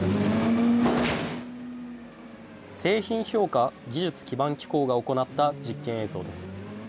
製品評価技術基盤機構が行った実験映像です。